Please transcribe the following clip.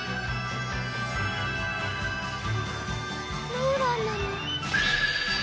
ローラなの？